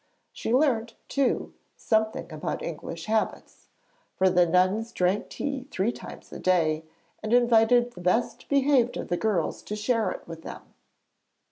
She learnt, too, something about English habits, for the nuns drank tea three times a day, and invited the best behaved of the girls to share it with them.